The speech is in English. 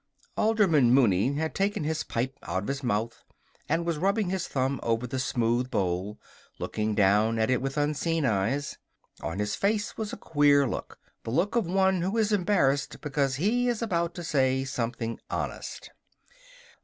Alderman Mooney had taken his pipe out of his mouth and was rubbing his thumb over the smooth bowl, looking down at it with unseeing eyes. On his face was a queer look the look of one who is embarrassed because he is about to say something honest.